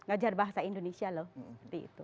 ngajar bahasa indonesia loh di situ